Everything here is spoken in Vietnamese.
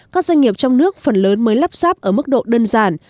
các doanh nghiệp trong nước phần lớn mới lắp sáp ở mức độ đơn giản